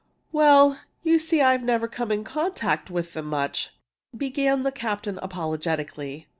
"Well, you see I've never come in contact with them much " began the captain, apologetically.